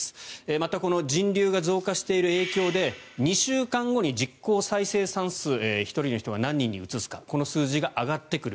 また、この人流が増加している影響で２週間後に実効再生産数１人の人が何人にうつすかこの数字が上がってくる。